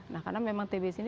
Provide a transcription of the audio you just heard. nah karena memang tbc ini